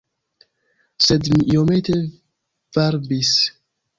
Sed mi iomete varbis.